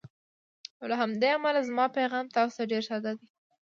او له همدې امله زما پیغام تاسو ته ډېر ساده دی: